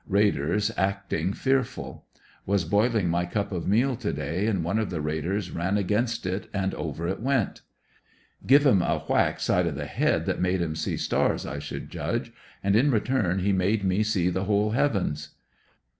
Raiders acting fearful. Was boiling my cup of meal to day and one of the raiders ran against 48 AJ^DERSON VILLE DIA R 7. it and over it went. Give him a whack side of the head that made him see stars I should judge, and in return he made me see the whole heavens.